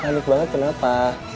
panik banget kenapa